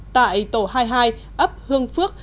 tại tổ hai mươi hai ấp hương phước